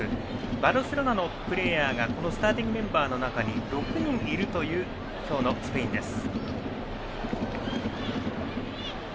バルセロナのプレーヤーがスターティングメンバーの中に６人いるという今日のスペインです。